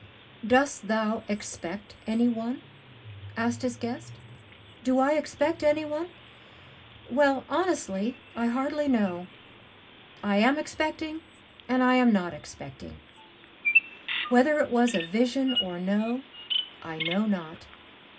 "Dost thou expect anyone?" asked his guest. "Do I expect anyone? Well, honestly, I hardly know. I am expecting and I am not expecting. Whether it was a vision or no, I know not.